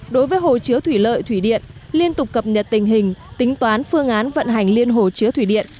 đối với hồ chứa thủy lợi thủy điện liên tục cập nhật tình hình tính toán phương án vận hành liên hồ chứa thủy điện